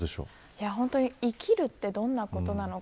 生きるってどんなことなのか。